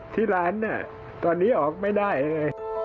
ที่ร้านเนี่ยตอนนี้ออกไม่ได้เลย